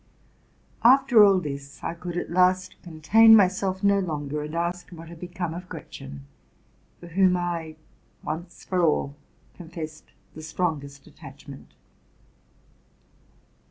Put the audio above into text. After all this, I could at last contain my self no longer, and asked what had become of Gretchen, for whom I, once for all, confessed the strongest attachment.